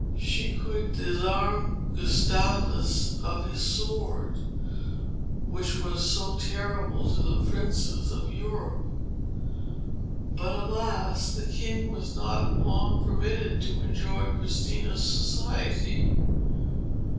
She could disarm Gustavus of his sword, which was so terrible to the princes of Europe. But alas! the king was not long permitted to enjoy Christina's society.